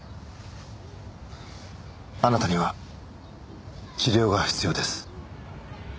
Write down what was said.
あなたには治療が必要です。